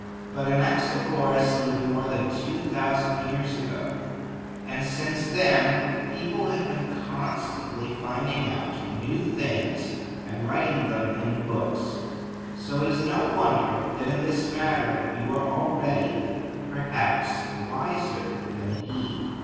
But Anaxagoras lived more than two thousand years ago, and since then people have constantly been finding out new things and writing them in books, so it is no wonder that in this matter you are already, perhaps, wiser than he.